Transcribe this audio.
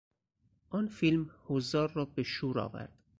آن فیلم حضار را به شور آورد.